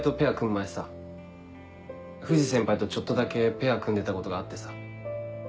前さ藤先輩とちょっとだけペア組んでたことがあってさ。